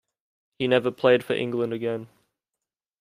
He never played for England again.